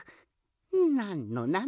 なんのなんの！